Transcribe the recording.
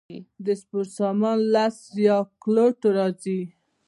د سپورت سامان له سیالکوټ راځي؟